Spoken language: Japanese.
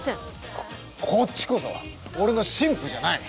ここっちこそ俺の新婦じゃない！